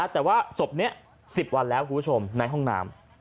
แต่ว่าศพนี้๑๐วันแล้วคุณผู้ชมในห้องน้ำ